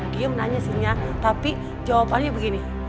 dia menanya sinya tapi jawabannya begini